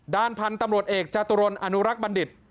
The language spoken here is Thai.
ด้านพันธุ์ตำรวจเอกจตุรนอนุรักษ์บัณฑิต